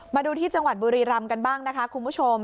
มาดูที่จังหวัดบุรีรำกันบ้างนะคะคุณผู้ชม